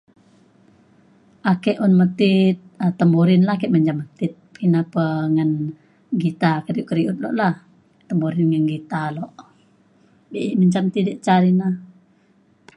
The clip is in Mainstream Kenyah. ake un metit um temburin la ake mencam metit pina pe ngan gitar keriut keriut lok la temburin ngan gitar alok dik mencam ti dek ca ni na.